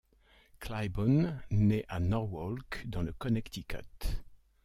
Kliboan naît à Norwalk dans le Connecticut.